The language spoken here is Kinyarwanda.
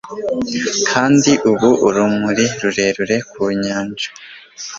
kandi ubu urumuri rurerure ku nyanja